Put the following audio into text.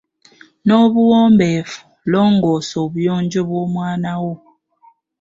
N'obuwombeefu longoosa obuyonjo bw'omwana wo.